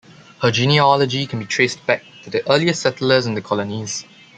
Her genealogy can be traced back to the earliest settlers in the colonies.